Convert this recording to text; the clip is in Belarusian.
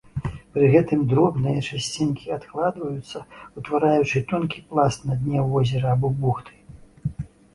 Пры гэтым дробныя часцінкі адкладваюцца, утвараючы тонкі пласт на дне возера або бухты.